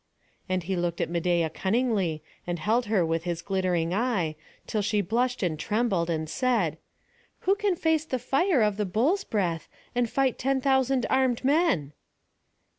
And he looked at Medeia cunningly, and held her with his glittering eye, till she blushed and trembled, and said: "Who can face the fire of the bulls' breath, and fight ten thousand armed men?"